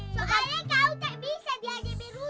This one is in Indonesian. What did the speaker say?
soalnya kau tak bisa diajak biru